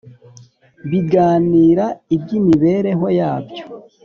biganira iby'imibereho yabyo